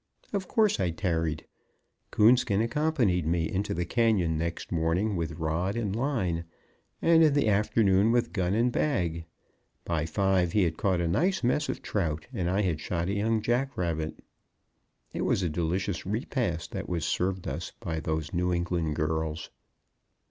Of course, I tarried. Coonskin accompanied me into the canyon next morning with rod and line, and in the afternoon with gun and bag. By five he had caught a nice mess of trout and I had shot a young jack rabbit. It was a delicious repast that was served us by those New England girls.